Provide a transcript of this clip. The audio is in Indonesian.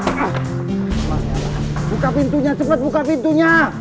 buka pintunya cepat buka pintunya